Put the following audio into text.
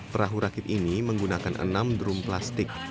perahu rakit ini menggunakan enam drum plastik